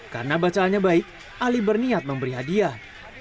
karena bacaannya baik ali berniat memberi hadiah